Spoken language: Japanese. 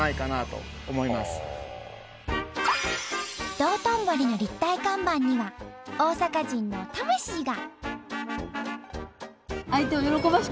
道頓堀の立体看板には大阪人の魂が。